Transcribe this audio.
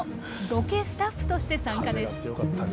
ロケスタッフとして参加です。